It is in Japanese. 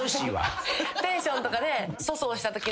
テンションとかで。